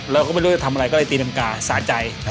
เราก็ไม่รู้จะทำอะไรก็เลยตีรังกาสาใจ